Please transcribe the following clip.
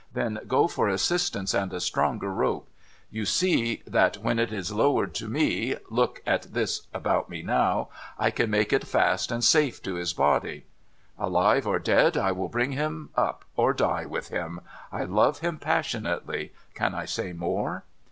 Then go for assistance and a stronger rope. You see that when it is lowered to me — look at this about me now — I can make it fast and safe to his body. Alive or dead, I will bring him up, or die with him. I love him passionately. Can I say more